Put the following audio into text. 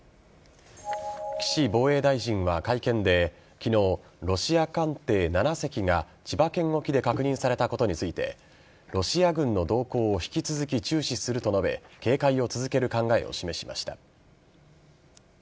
岸防衛大臣は会見で昨日、ロシア艦艇７隻が千葉県沖で確認されたことについてロシア軍の動向を引き続き注視すると述べ警戒を続ける考えを示しました。